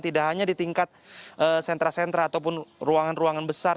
tidak hanya di tingkat sentra sentra ataupun ruangan ruangan besar